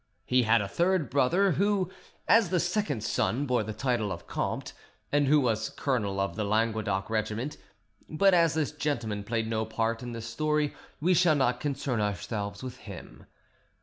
He had a third brother, who, as the second son, bore the title of comte, and who was colonel of the Languedoc regiment, but as this gentleman played no part in this story we shall not concern ourselves with him.